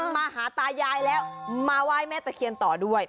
มาหาตายายแล้วมาไหว้แม่ตะเคียนต่อด้วย